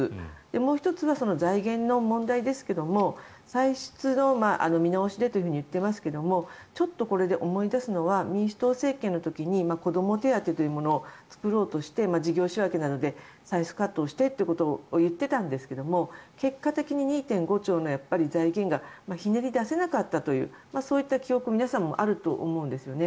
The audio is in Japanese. もう１つは財源の問題ですが歳出の見直しでと言っていますがちょっとこれで思い出すのは民主党政権の時に子ども手当というものを作ろうとして事業仕分けなどで歳出カットをしてということを言っていたんですが結果的に２．５兆の財源がひねり出せなかったというそういった記憶皆さんもあると思うんですよね。